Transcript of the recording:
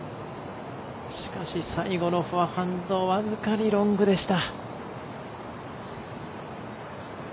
しかし、最後のフォアハンドは僅かにロングでした。